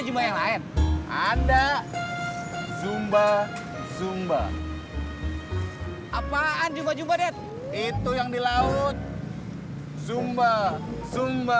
jumbo yang lain anda zumba zumba apaan juga juga det itu yang di laut zumba zumba